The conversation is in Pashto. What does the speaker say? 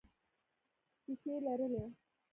ښیښې لرلې.